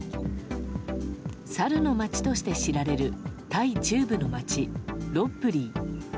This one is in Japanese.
サルの街として知られるタイ中部の町ロッブリー。